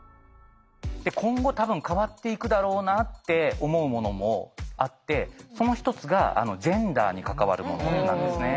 今後多分変わっていくだろうなって思うものもあってその一つがジェンダーに関わるものなんですね。